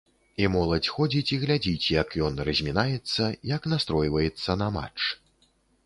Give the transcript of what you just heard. І моладзь ходзіць і глядзіць, як ён размінаецца, як настройваецца на матч.